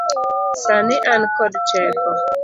Sani an kod teko.